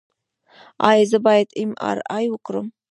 ایا زه باید ایم آر آی وکړم؟